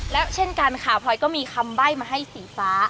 และเช่นกันค่ะพลอยก็มีคำใบ้มาให้สีฟ้า